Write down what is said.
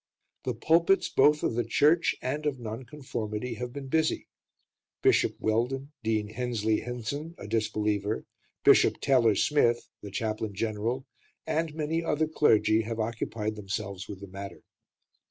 The pulpits both of the Church and of Non conformity have been busy: Bishop Welldon, Dean Hensley Henson (a disbeliever), Bishop Taylor Smith (the Chaplain General), and many other clergy have occupied themselves with the matter.